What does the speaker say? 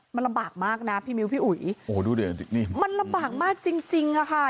มันลำบากมากนะพี่มิ้วพี่อุ๋ยโอ้โหดูดินี่มันลำบากมากจริงจริงอ่ะค่ะ